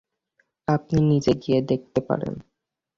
আপনি নিজে গিয়ে দেখতে পারেন।